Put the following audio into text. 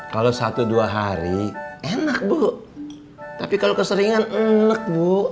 kalau satu dua hari enak bu tapi kalau keseringan enak bu